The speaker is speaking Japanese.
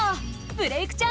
「ブレイクッ！